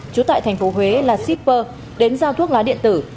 chú tại tp huế là shipper đến giao thuốc lá điện tử